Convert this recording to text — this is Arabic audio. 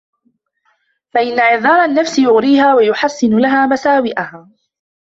فَإِنَّ إعْذَارَ النَّفْسِ يُغْرِيهَا وَيُحَسِّنُ لَهَا مَسَاوِئَهَا